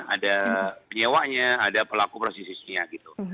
ada penyewanya ada pelaku prostisinya gitu